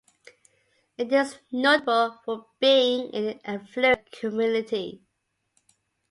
It is notable for being an affluent community.